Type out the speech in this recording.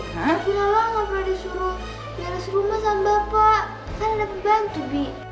tapi lala gak pernah disuruh beres rumah sama bapak kan ada pembantu bi